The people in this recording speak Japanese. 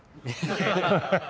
ハハハハハ。